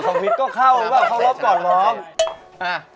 ของสวิตซ์ก็เข้าหรือเปล่าเข้ารอบก่อนหรอก